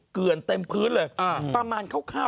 เกือนเต็มพื้นเลยประมาณคร่าว